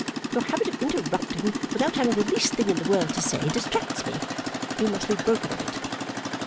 Your habit of interrupting without having the least thing in the world to say, distracts one. You must be broken of it.